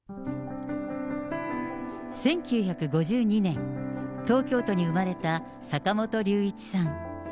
１９５２年、東京都に生まれた坂本龍一さん。